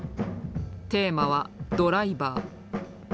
テーマは「ドライバー」。